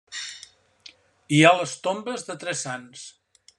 Hi ha les tombes de tres sants.